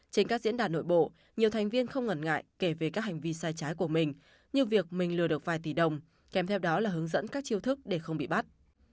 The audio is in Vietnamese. trên các diễn đàn nội bộ nhiều thành viên không ngần ngại kể về các hành vi sai trái của mình như việc mình lừa được vài tỷ đồng kèm theo đó là hướng dẫn các chiêu thức để không bị bắt